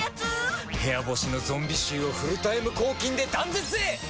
部屋干しのゾンビ臭をフルタイム抗菌で断絶へ！